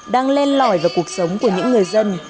đang len lỏi vào cuộc sống của những người dân